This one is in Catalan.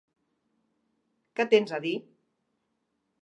Què tens a dir?